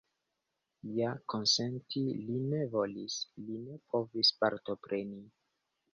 Ja konsenti li ne volis, li ne povis partopreni.